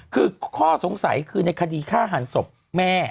คือข้อสงสัยคือในคดีฆ่าหันศพแม่